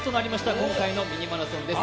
今回の「ミニマラソン」です。